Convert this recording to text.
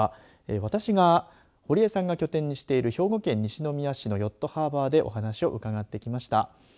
私が堀江さんが拠点にしている兵庫県西宮市のヨットハーバーでお話を伺ってきました。